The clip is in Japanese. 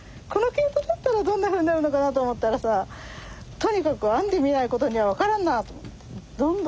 この毛糸だったらどんなふうになるのかなと思ったらさとにかく編んでみないことには分からんなと思って。